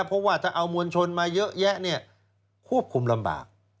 เพราะว่าถ้าเอามวลชนมาเยอะแยะเนี่ยควบคุมลำบาก